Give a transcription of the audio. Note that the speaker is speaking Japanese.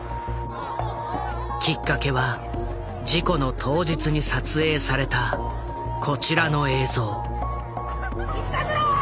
きっかけは事故の当日に撮影されたこちらの映像。